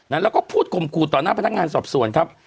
แล้วก็พูดข่มขู่ต่อหน้าพนักงานสอบสวนครับ